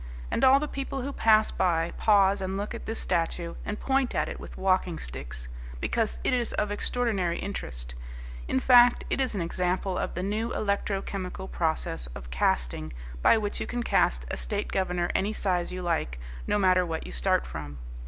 And all the people who pass by pause and look at this statue and point at it with walking sticks, because it is of extraordinary interest; in fact, it is an example of the new electro chemical process of casting by which you can cast a state governor any size you like, no matter what you start from.